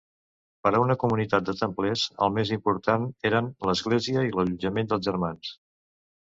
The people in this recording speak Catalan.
Per a una comunitat de templers, el més important eren l'església i l'allotjament dels germans.